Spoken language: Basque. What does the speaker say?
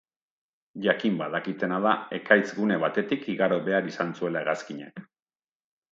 Jakin badakitena da ekaitz gune batetik igaro behar izan zuela hegazkinak.